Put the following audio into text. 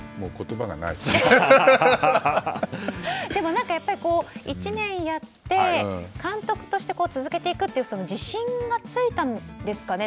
でも、１年やって監督として続けていくという自信がついたんですかね。